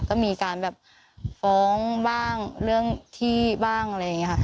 ก็มีการแบบฟ้องบ้างเรื่องที่บ้างอะไรอย่างนี้ค่ะ